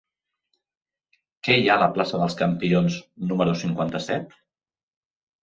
Què hi ha a la plaça dels Campions número cinquanta-set?